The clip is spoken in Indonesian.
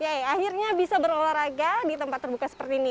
yeay akhirnya bisa berolahraga di tempat terbuka seperti ini